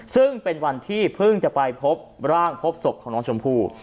ซึ่งเป็นวันที่เพิ่งจะไปพบร่างพบศพของน้องชมพู่